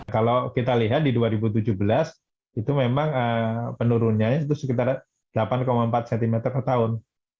kalau kita lihat di dua ribu tujuh belas itu memang penurunannya itu sekitar delapan empat cm per tahun